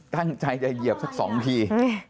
ตั้งใจจะเหยียบสัก๒ที